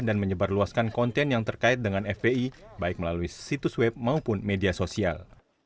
dan menyebarluaskan konten yang terkait dengan fpi baik melalui situs web maupun media sosial